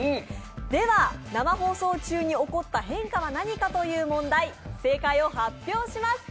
では生放送中に起こった変化は何かという問題正解を発表します。